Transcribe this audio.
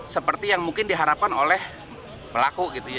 seperti yang mungkin diharapkan oleh pelaku gitu ya